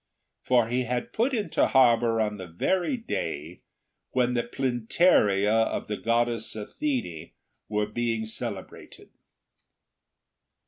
For he had put into harbour on the very day when the Plynteria of the goddess Athene were being celebrated.